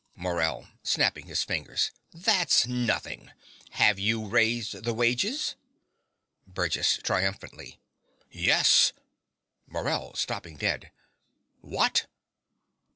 MORELL (snapping his fingers). That's nothing. Have you raised the wages? BURGESS (triumphantly). Yes. MORELL (stopping dead). What!